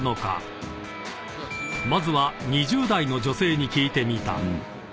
［まずは２０代の女性に聞いてみた］